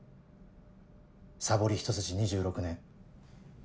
サボりひと筋２６年。